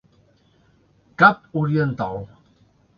Cap Oriental.